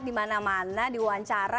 di mana mana di wawancara